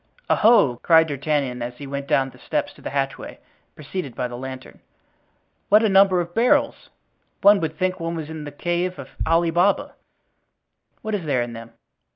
"Oho!" cried D'Artagnan, as he went down the steps of the hatchway, preceded by the lantern, "what a number of barrels! one would think one was in the cave of Ali Baba. What is there in them?"